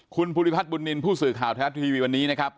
คุณพุทธิพัฒน์บุญนินทร์ผู้สื่อข่าวท้าทัศน์ทีวีวันนี้นะครับ